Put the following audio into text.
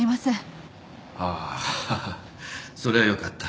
ああハハそれはよかった。